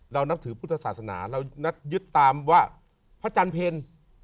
นับถือพุทธศาสนาเรานัดยึดตามว่าพระจันทร์เพล